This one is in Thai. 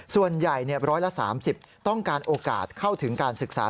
ส่วนใหญ่ร้อยละ๓๐ต้องการโอกาสเข้าถึงการศึกษา